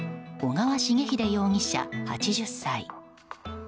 小川重英容疑者、８０歳。